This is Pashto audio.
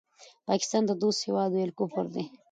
پاکستان ته دوست هېواد وویل کفر دی